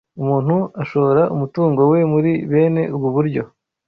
Umuntu ushora umutungo we muri bene ubu buryo